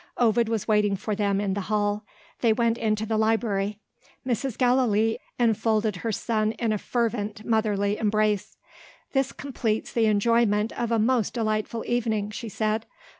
Ovid was waiting for them in the hall. They went into the library. Mrs. Gallilee enfolded her son in a fervent motherly embrace. "This completes the enjoyment of a most delightful evening," she said.